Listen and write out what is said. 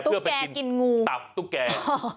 ตุ๊กแกกินงูตับตุ๊กแก